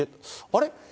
あれ？